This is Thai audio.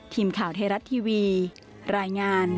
ทีมข่าวไทยรัฐทีวีรายงาน